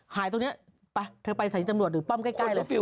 หายตรงนี้ไปเธอไปสถานีตำรวจหรือป้อมใกล้เลย